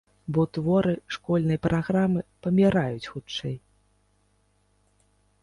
Бо творы школьнай праграмы паміраюць хутчэй.